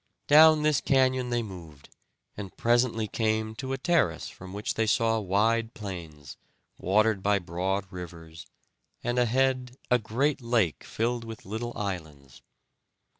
Down this canyon they moved, and presently came to a terrace from which they saw wide plains, watered by broad rivers, and ahead a great lake filled with little islands.